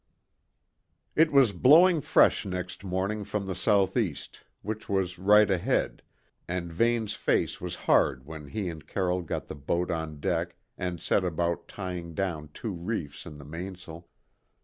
It was blowing fresh next morning from the south east, which was right ahead, and Vane's face was hard when he and Carroll got the boat on deck and set about tying down two reefs in the mainsail.